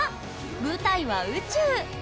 舞台は宇宙！